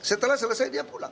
setelah selesai dia pulang